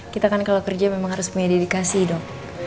kita kan kalau kerja memang harus punya dedikasi dong